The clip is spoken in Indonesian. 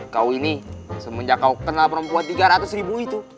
kau ini semenjak kau kenal perempuan tiga ratus ribu itu